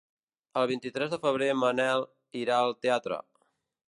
El vint-i-nou de febrer en Manel irà al teatre.